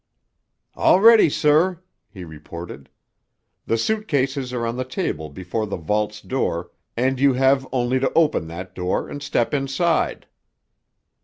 "All ready, sir," he reported. "The suit cases are on a table before the vault's door and you have only to open that door and step inside."